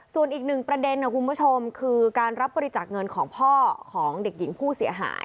ส่วนอีกหนึ่งประเด็นนะคุณผู้ชมคือการรับบริจาคเงินของพ่อของเด็กหญิงผู้เสียหาย